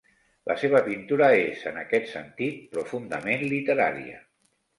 La seva pintura és, en aquest sentit, profundament literària.